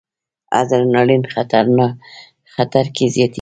ادرانالین خطر کې زیاتېږي.